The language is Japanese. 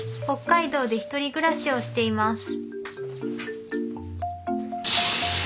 北海道で１人暮らしをしています